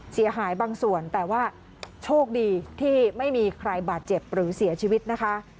เสียหายบางส่วนแต่ว่าโชคดีที่ไม่มีใครบาดเจ็บหรือเสียชีวิตนะคะ